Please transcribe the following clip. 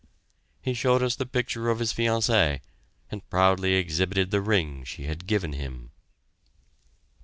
He showed us the picture of his fiancée, and proudly exhibited the ring she had given him.